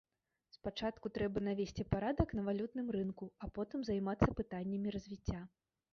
Спачатку трэба навесці парадак на валютным рынку, а потым займацца пытаннямі развіцця.